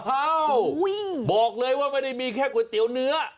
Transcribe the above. บอกเลยว่าไม่ได้มีแค่ก๋วยเตี๋ยวเนื้อ